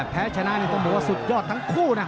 แพ้ชนะนี่ต้องบอกว่าสุดยอดทั้งคู่นะ